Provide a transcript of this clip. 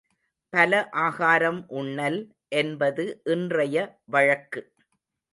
பல ஆகாரம் உண்ணல் என்பது இன்றைய வழக்கு.